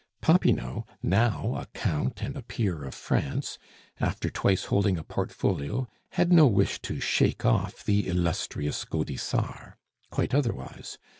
Popinot, now a Count and a peer of France, after twice holding a portfolio had no wish to shake off "the Illustrious Gaudissart." Quite otherwise.